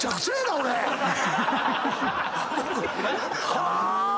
はぁ！